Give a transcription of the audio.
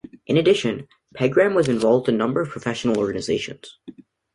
In addition, Pegram was involved with a number of professional organizations.